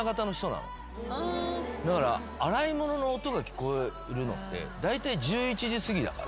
だから洗い物の音が聞こえるのってだいたい１１時すぎだから。